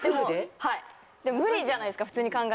はい無理じゃないですか普通に考えたら。